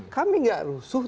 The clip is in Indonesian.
kami tidak rusuh